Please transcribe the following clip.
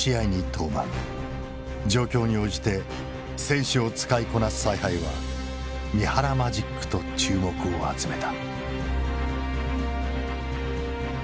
状況に応じて選手を使いこなす采配は三原マジックと注目を集めた。